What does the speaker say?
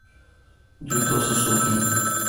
Yuto Suzuki